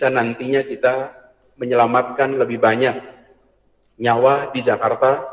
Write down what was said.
nantinya kita menyelamatkan lebih banyak nyawa di jakarta